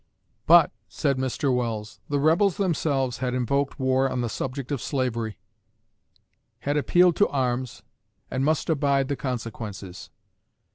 "But," said Mr. Welles, "the Rebels themselves had invoked war on the subject of slavery, had appealed to arms, and must abide the consequences."